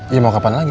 iya mau ke mana lagi